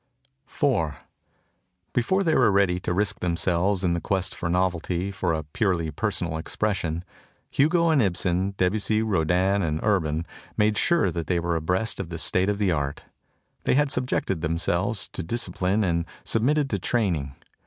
IV BEFORE they were ready to risk themselves in the quest for novelty for a purely personal expression, Hugo and Ibsen, Debussy, Rodin and Urban made sure that they were abreast of the state of the art. They had subjected them selves to discipline and submitted to training.